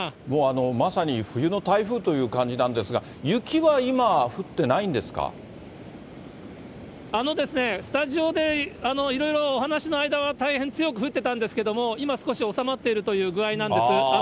もうまさに冬の台風という感じなんですが、雪は今、降ってなスタジオでいろいろお話の間は大変強く降ってたんですが、今少し収まっているという具合なんです。